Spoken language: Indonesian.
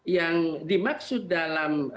yang dimaksud dalam